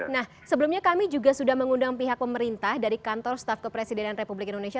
nah sebelumnya kami juga sudah mengundang pihak pemerintah dari kantor staf kepresidenan republik indonesia